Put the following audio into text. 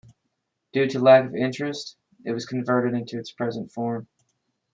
Due to lack of interest, it was converted into its present form.